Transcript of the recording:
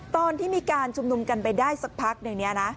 ตอนที่มีการชุมนุมกันไปได้สักพักหนึ่งเนี่ยนะ